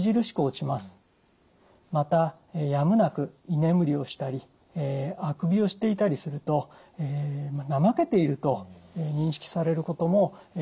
またやむなく居眠りをしたりあくびをしていたりすると怠けていると認識されることも多いのではないでしょうか。